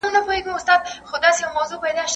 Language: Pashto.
هغه څېړنه چي ګټه نه لري مه کوئ.